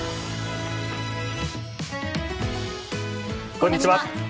こんにちは。